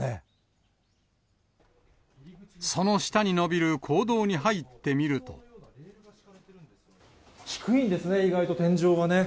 その下に伸びる坑道に入って低いんですね、意外と天井がね。